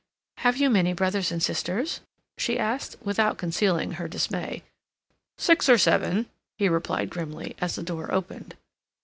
"Have you many brothers and sisters?" she asked, without concealing her dismay. "Six or seven," he replied grimly, as the door opened.